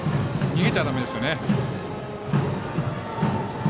逃げちゃだめですよね。